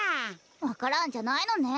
わか蘭じゃないのね。